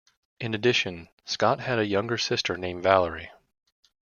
In addition, Scott had a younger sister named Valerie.